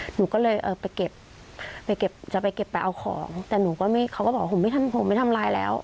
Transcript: หนูก็เลยไปเก็บจะไปเก็บไปเอาของแต่เขาก็บอกว่าผมไม่ทำลายแล้ว